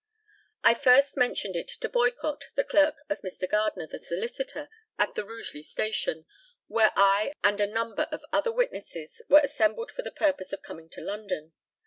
I first mentioned it to Boycott, the clerk of Mr. Gardner, the solicitor, at the Rugeley station, where I and a number of other witnesses were assembled for the purpose of coming to London.